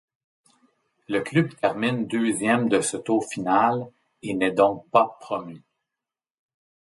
Le club termine deuxième de ce tour final et n'est donc pas promu.